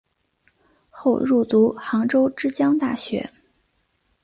后入读杭州之江大学。